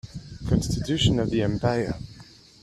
Constitution of the empire.